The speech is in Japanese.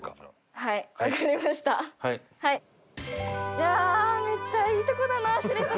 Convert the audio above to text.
いやめっちゃいいとこだな知床。